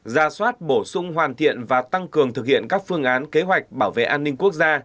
ra soát bổ sung hoàn thiện và tăng cường thực hiện các phương án kế hoạch bảo vệ an ninh quốc gia